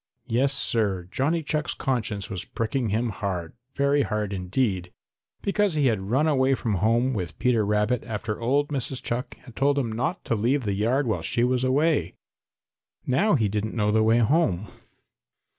Yes, Sir, Johnny Chuck's conscience was pricking him hard, very hard indeed, because he had run away from home with Peter Rabbit after old Mrs. Chuck had told him not to leave the yard while she was away. Now he didn't know the way home.